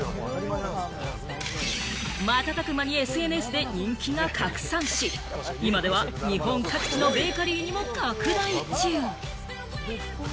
瞬く間にＳＮＳで人気が拡散し、今では日本各地のベーカリーにも拡大中。